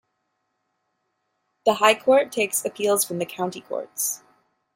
The High Court takes appeals from the County Courts.